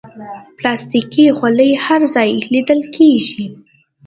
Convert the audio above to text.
پلاستيکي خولۍ هر ځای لیدل کېږي.